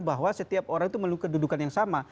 bahwa setiap orang itu melalui kedudukan yang sama